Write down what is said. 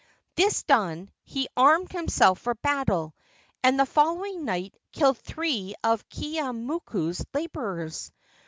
This done, he armed himself for battle, and, the following night, killed three of Keeaumoku's laborers.